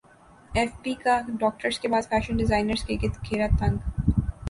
F B کا doctors کے بعد فیشن ڈیزائنرز کے گرد گھیرا تنگ